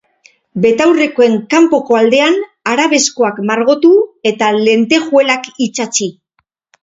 Betaurrekoen kanpoko aldean, arabeskoak margotu eta lentejuelak itsatsi.